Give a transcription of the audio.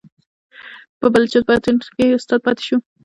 په بلوچستان پوهنتون کې استاد پاتې شو.